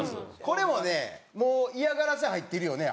これもねもう嫌がらせ入ってるよね